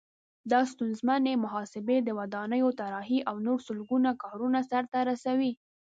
دا ستونزمنې محاسبې، د ودانیو طراحي او نور سلګونه کارونه سرته رسوي.